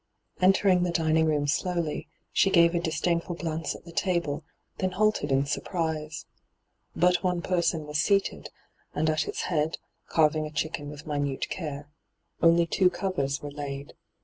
Entering the dining room slowly, she gave a disdainful glance at the table, then halted in surprise. But one person was seated, and at its head, carving a chicken witii minute care. Only two covers were laid.